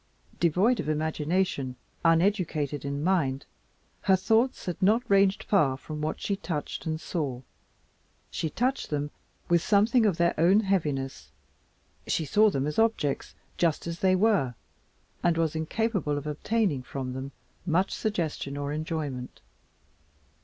Devoid of imagination, uneducated in mind, her thoughts had not ranged far from what she touched and saw. She touched them with something of their own heaviness, she saw them as objects just what they were and was incapable of obtaining from them much suggestion or enjoyment.